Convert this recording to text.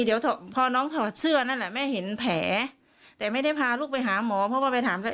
เดี๋ยวพอน้องถอดเสื้อนั่นแหละแม่เห็นแผลแต่ไม่ได้พาลูกไปหาหมอเพราะว่าไปถาม